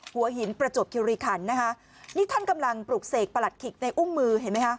หัวหินประจวบคิวรีคันนะคะนี่ท่านกำลังปลูกเสกประหลัดขิกในอุ้มมือเห็นไหมคะ